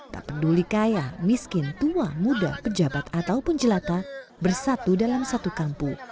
tak peduli kaya miskin tua muda pejabat ataupun jelata bersatu dalam satu kampung